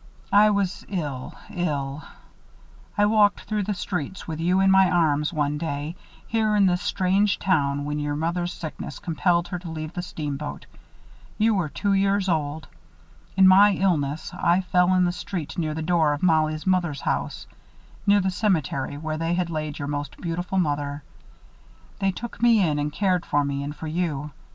I was ill, ill. I walked through the streets with you in my arms one day, here in this strange town when your mother's sickness compelled her to leave the steamboat. You were two years old. In my illness, I fell in the street near the door of Mollie's mother's house, near the cemetery where they had laid your most beautiful mother. They took me in and cared for me and for you.